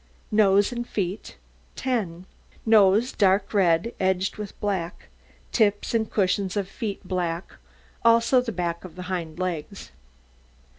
NOSE AND FEET 10 Nose dark red, edged with black; tips and cushions of feet black, also the back of the hind legs.